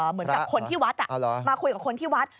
เหมือนกับคนที่วัดมาคุยกับคนที่วัด